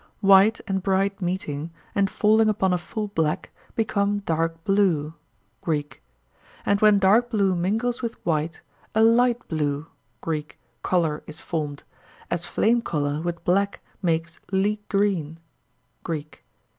White and bright meeting, and falling upon a full black, become dark blue (Greek), and when dark blue mingles with white, a light blue (Greek) colour is formed, as flame colour with black makes leek green (Greek).